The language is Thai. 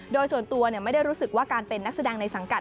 โดยส่วนตัวไม่ได้รู้สึกว่าการเป็นนักแสดงในสังกัด